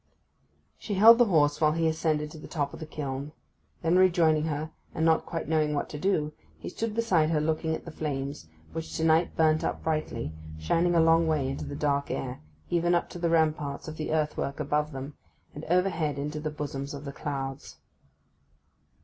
She held the horse while he ascended to the top of the kiln. Then rejoining her, and not quite knowing what to do, he stood beside her looking at the flames, which to night burnt up brightly, shining a long way into the dark air, even up to the ramparts of the earthwork above them, and overhead into the bosoms of the clouds.